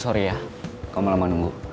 sorry ya kau mau lama nunggu